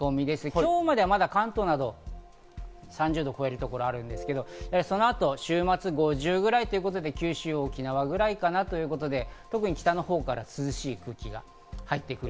今日まではまだ関東など３０度を超えるところがあるんですけど、その後週末、５０ぐらいということで九州、沖縄ぐらいかなということで、特に北のほうから涼しい空気が入ってくる。